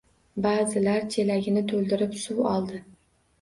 Baʼzilar chelagini to‘ldirib suv oldi.